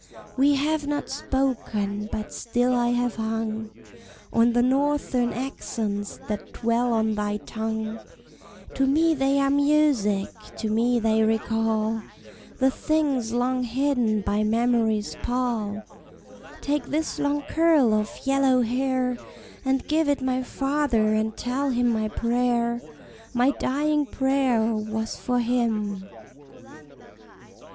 We have not spoken, but still I have hung On the Northern accents that dwell on thy tongue. To me they are music, to me they recall The things long hidden by Memory's pall! Take this long curl of yellow hair, And give it my father, and tell him my prayer, My dying prayer, was for him."